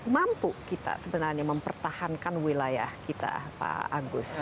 mampu kita sebenarnya mempertahankan wilayah kita pak agus